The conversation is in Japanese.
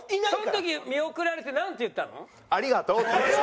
その時見送られてなんて言ったの？